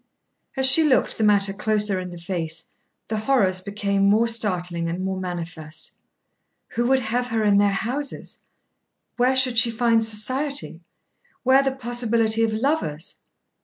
As she looked the matter closer in the face the horrors became more startling and more manifest. Who would have her in their houses? Where should she find society, where the possibility of lovers?